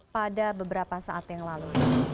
pada beberapa saat yang lalu